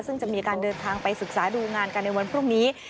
ซึ่งจะมีการเดินทางไปศึกษาดูงานกันในวันพรุ่งนี้